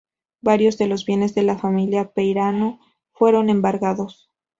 Varios de los bienes de la familia Peirano fueron embargados.